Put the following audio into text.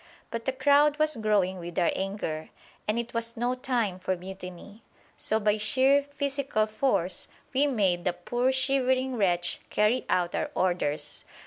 But the crowd was growing with our anger, and it was no time for mutiny, so by sheer physical force we made the poor shivering wretch carry out our orders.